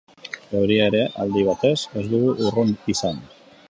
Euria ere aldi batez ez dugu urrun izan.